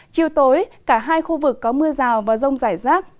chiều tối cả hai khu vực có mưa rào và rông rải rác